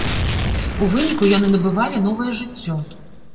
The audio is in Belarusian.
У выніку яны набывалі новае жыццё.